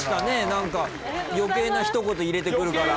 何か余計な一言入れてくるから。